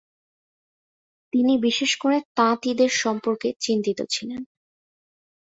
তিনি বিশেষ করে তাঁতিদের সম্পর্কে চিন্তিত ছিলেন।